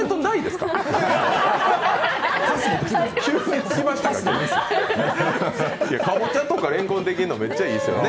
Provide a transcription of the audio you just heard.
かぼちゃとかれんこんでできるの、めっちゃいいですよね。